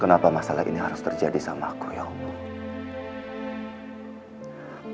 kenapa masalah ini harus terjadi sama aku ya allah